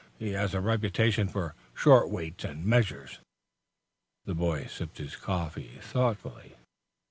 He has a reputation for short weights and measures." The boy sipped his coffee thoughtfully.